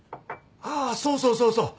あそうそうそうそう！